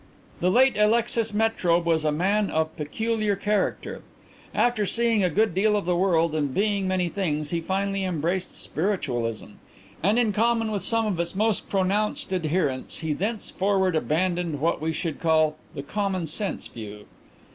"The late Alexis Metrobe was a man of peculiar character. After seeing a good deal of the world and being many things, he finally embraced spiritualism, and in common with some of its most pronounced adherents he thenceforward abandoned what we should call 'the common sense view.'